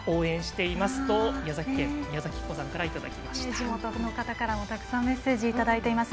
地元の方からもたくさんメッセージいただいています。